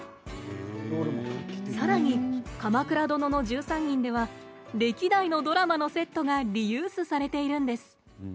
さらに、「鎌倉殿の１３人」では歴代のドラマのセットがリユースされているんです。